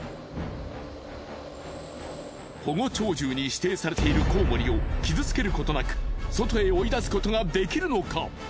保護鳥獣に指定されているコウモリを傷つけることなく外へ追い出すことができるのか？